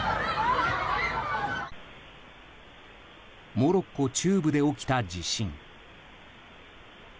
モロッコ中部で起きた地震。